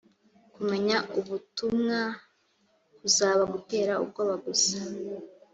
kumenya ubutumwa kuzaba gutera ubwoba gusa